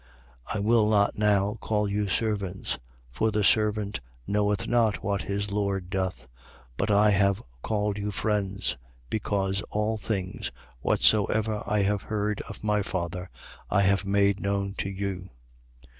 15:15. I will not now call you servants: for the servant knoweth not what his lord doth. But I have called you friends. because all things, whatsoever I have heard of my Father, I have made known to you.